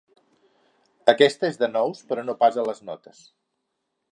Aquesta és de nous, però no pas a les notes.